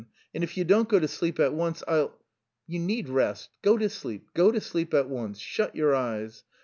"And if you don't go to sleep at once I'll... You need rest; go to sleep, go to sleep at once, shut your eyes.